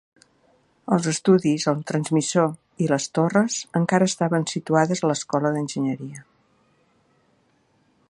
Els estudis, el transmissor i les torres encara estaven situades a l'Escola d'Enginyeria.